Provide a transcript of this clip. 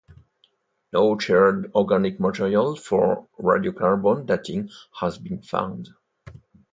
No charred organic material for radiocarbon dating has been found.